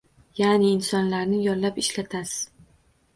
Yaʼni insonlarni yollab ishlatasiz.